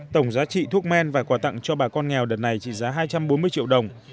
tổng giá trị thuốc men và quà tặng cho bà con nghèo đợt này trị giá hai trăm bốn mươi triệu đồng